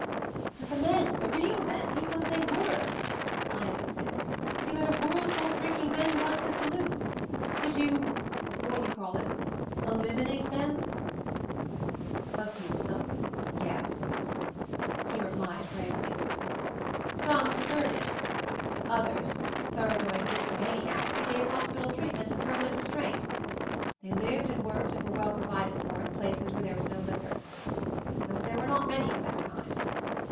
"But the men — the real men, people as they were," I insisted. "You had a world full of drinking men who liked the saloon; did you — what do you call it? — eliminate them?" A few of them, yes," he replied gravely; Some preferred it; others, thorough going _t o 186 MOVING THE MOUNTAIN dipsomaniacs, we gave hospital treatment and permanent restraint; they lived and worked and were well provided for in places where there was no liquor. But there were not many of that kind.